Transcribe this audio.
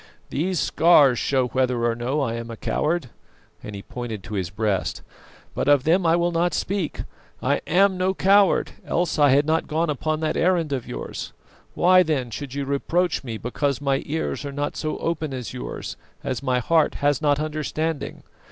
These scars show whether or no I am a coward," and he pointed to his breast, "but of them I will not speak. I am no coward, else I had not gone upon that errand of yours. Why, then, should you reproach me because my ears are not so open as yours, as my heart has not understanding?